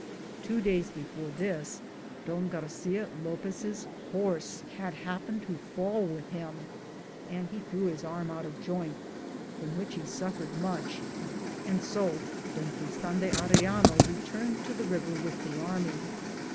Two days before this, Don Garcia Lopez' horse had happened to fall with him, and he threw his arm out of joint, from which he suffered much, and so Don Tristan de Arellano returned to the river with the army.